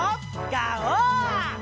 ガオー！